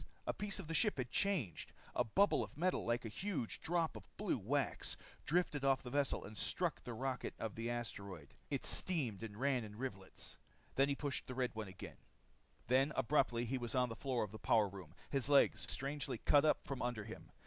A piece of the ship had changed. A bubble of metal, like a huge drop of blue wax, dripped off the vessel and struck the rocket of the asteroid. It steamed and ran in rivulets. He pressed the red button again. Then abruptly he was on the floor of the power room, his legs strangely cut out from under him.